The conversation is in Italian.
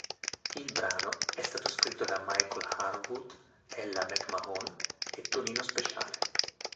Il brano è stato scritto da Michael Harwood, Ella McMahon e Tonino Speciale.